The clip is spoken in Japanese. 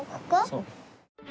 そう。